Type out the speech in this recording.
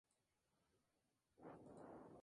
Como guionista de cine, ha trabajado con Bigas Luna.